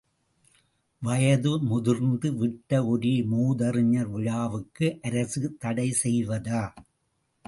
வயது முதிர்ந்து விட்ட ஒரு மூதறிஞர் விழாவுக்கு அரசு தடை செய்வதா?